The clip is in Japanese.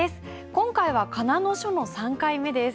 今回は仮名の書の３回目です。